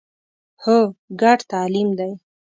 هو، ګډ تعلیم دی